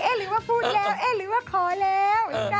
เอ๊ะหรือว่าพูดแล้วเอ๊ะหรือว่าขอแล้ว